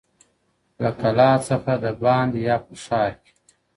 له قلا څخه دباندي یا په ښار کي؛